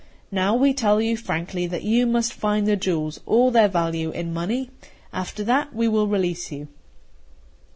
Now, we tell you frankly that you must find the jewels, or their value in money; after that we will release you."